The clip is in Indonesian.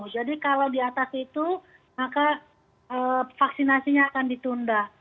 jadi kalau di atas itu maka vaksinasinya akan ditunda